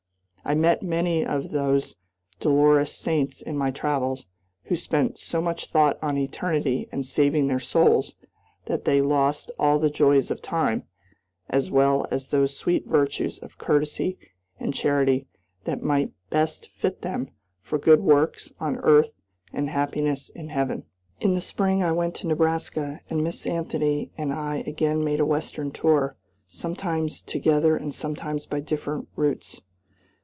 I met many of those dolorous saints in my travels, who spent so much thought on eternity and saving their souls that they lost all the joys of time, as well as those sweet virtues of courtesy and charity that might best fit them for good works on earth and happiness in heaven. In the spring I went to Nebraska, and Miss Anthony and I again made a Western tour, sometimes together and sometimes by different routes.